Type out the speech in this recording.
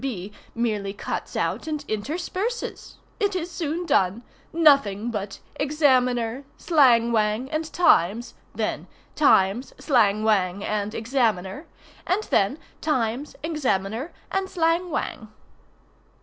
B. merely cuts out and intersperses. It is soon done—nothing but "Examiner," "Slang Whang," and "Times"—then "Times," "Slang Whang," and "Examiner"—and then "Times," "Examiner," and "Slang Whang."